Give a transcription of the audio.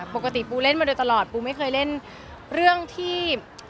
ปกติปูเล่นมาโดยตลอดปูไม่เคยเล่นเรื่องที่